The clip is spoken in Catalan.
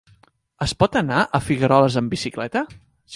Es pot anar a Figueroles amb bicicleta?